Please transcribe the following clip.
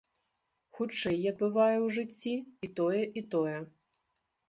Хутчэй, як бывае ў жыцці, і тое, і тое.